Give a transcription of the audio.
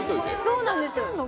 そうなんです